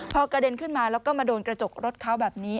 พอกระเด็นขึ้นมาแล้วก็มาโดนกระจกรถเขาแบบนี้